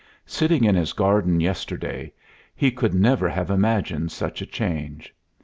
Sitting in his garden yesterday, he could never have imagined such a change.